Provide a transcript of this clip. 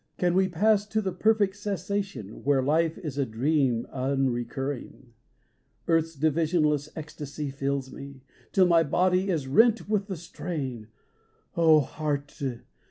Can we pass to the perfect cessation where life is a dream unrecurring ? Earth's divisionless ecstasy fills me, till my body is rent with the strain, Oh, Heart